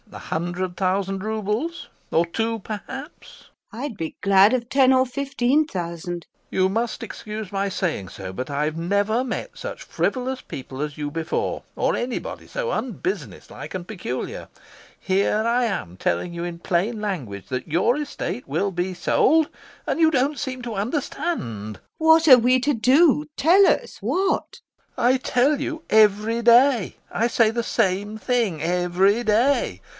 A hundred thousand roubles? Or two, perhaps? LUBOV. I'd be glad of ten or fifteen thousand. LOPAKHIN. You must excuse my saying so, but I've never met such frivolous people as you before, or anybody so unbusinesslike and peculiar. Here I am telling you in plain language that your estate will be sold, and you don't seem to understand. LUBOV. What are we to do? Tell us, what? LOPAKHIN. I tell you every day. I say the same thing every day.